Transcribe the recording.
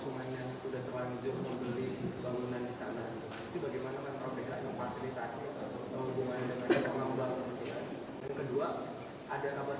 itu bagaimana kan rupanya memfasilitasi hubungannya dengan pengambang